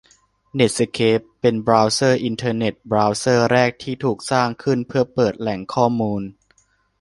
เน็ตสเคป เป็นบราวเซอร์อินเทอร์เน็ต บราวเซอร์แรกที่ถูกสร้างขึ้นเพื่อเปิดแหล่งข้อมูล